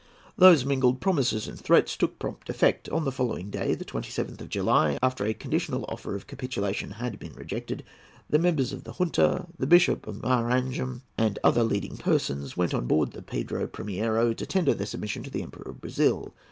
Those mingled promises and threats took prompt effect. On the following day, the 27th of July, after a conditional offer of capitulation had been rejected, the members of the Junta, the Bishop of Maranham, and other leading persons, went on board the Pedro Primiero to tender their submission to the Emperor of Brazil.